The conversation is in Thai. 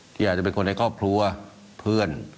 ที่อาจจะเป็นคนในครอบครัวเพื่อน